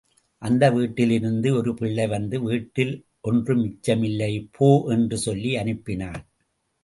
அந்த வீட்டில் இருந்து ஒரு பிள்ளை வந்து, வீட்டில் ஒன்றும் மிச்சமில்லை போ என்று சொல்லி அனுப்பினாள்.